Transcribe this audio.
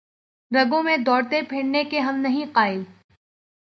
رگوں میں دوڑتے پھرنے کے ہم نہیں قائل